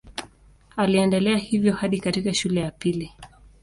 Aliendelea hivyo hadi katika shule ya upili.